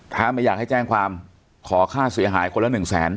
ถ้าไม่อยากให้แจ้งความขอค่าเสียหายคนละหนึ่งแสน